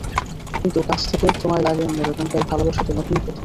কিন্তু কাছ থেকে তোমায় লাগে অন্য রকম, তাই ভালোবাসা তোমাকেই প্রথম।